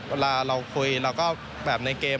เวลาเราคุยเราก็แบบในเกม